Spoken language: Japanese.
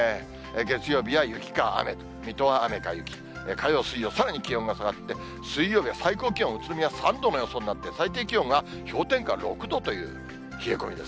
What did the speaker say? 月曜日は雪か雨と、水戸は雨か雪、火曜、水曜、さらに気温が下がって、水曜日は最高気温、宇都宮３度の予想になって、最低気温が氷点下６度という冷え込みです。